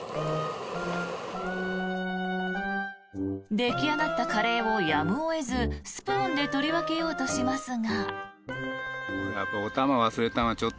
出来上がったカレーをやむを得ず、スプーンで取り分けようとしますが。